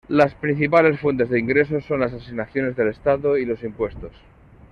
Las principales fuentes de ingresos son las asignaciones del Estado y los impuestos.